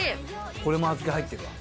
これもアズキ入ってるわ。